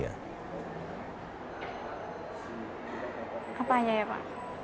apa ya pak